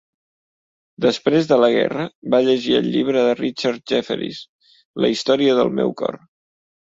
Després de la guerra, va llegir el llibre de Richard Jefferies "La història del meu cor".